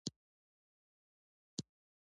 انار د افغانستان د کلتوري میراث برخه ده.